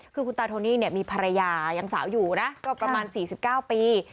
คือคุณตาโทนี่มีภรรยายังสาวอยู่นะก็ประมาณ๔๙ปี